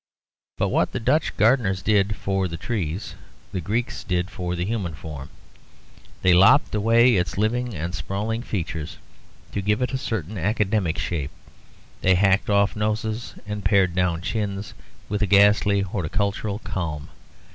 But what the Dutch gardeners did for trees the Greeks did for the human form; they lopped away its living and sprawling features to give it a certain academic shape; they hacked off noses and pared down chins with a ghastly horticultural calm.